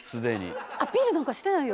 アピールなんかしてないよ？